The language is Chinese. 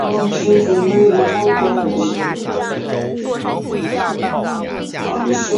故事发生在时间和地点皆无法判明的超未来。